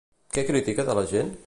Què critica de la gent?